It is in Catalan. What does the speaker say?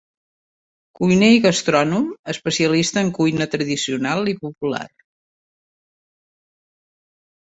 Cuiner i gastrònom, especialista en cuina tradicional i popular.